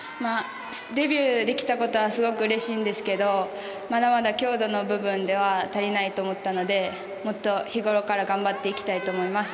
デビューできたことはうれしいんですけれど、まだまだ強度の部分で足りないと思ったので、もっと日頃から頑張っていきたいと思います。